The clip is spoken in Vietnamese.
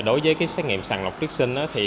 đối với xét nghiệm sàn lọc trước sinh